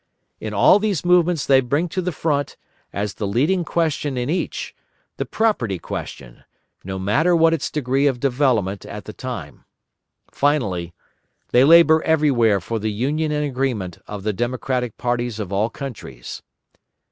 In all these movements they bring to the front, as the leading question in each, the property question, no matter what its degree of development at the time. Finally, they labour everywhere for the union and agreement of the democratic parties of all countries.